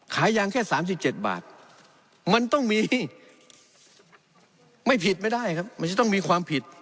ขายยางแค่๓๗บาทมันต้องมีไม่ผิดไม่ได้ครับมันจะต้องมีความผิด